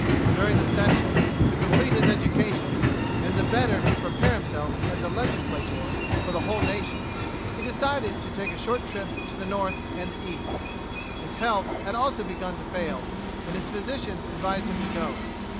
During the session, to complete his education, and the better to prepare himself as a legislator for the whole nation, he decided to take a short trip to the North and the East. His health had also begun to fail, and his physicians advised him to go.